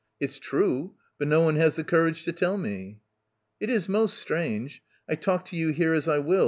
"It's true, but no one has the courage to tell me." . "It is most strange. I talk to you here as I will.